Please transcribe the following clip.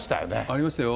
ありましたよ。